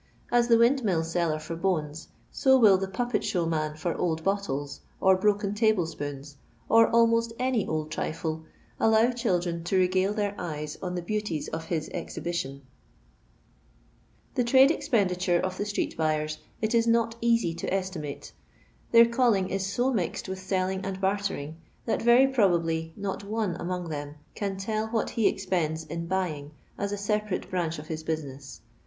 As the windmill seller for bones, so will the puppetehow man for old bottles or broken table spoons, or almost any old trifle, allow children to regale their eyes on the beauties of his exhibition. 108 LONDON LABOUR AND THE LONDON POOH The tnda ezpenditun of tht itreet lmyfn it k not easy to eitiiiuite. Tbeir calling if to miied with lolling and bartering, that veryprobablr not ono among them can t^l what he ezpendi in buyiiiff, as a leparate bimnch of hit bonneia.